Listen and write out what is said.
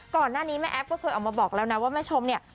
ก่อนหน้านี้แม่แอฟก็เคยออกมาบอกแล้วนะว่าแม่ชมเนี่ย